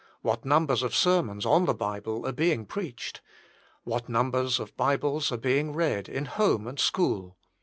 What numbers oi sermons on the Bible are being preached. What numbers of Bibles are being read in home and school.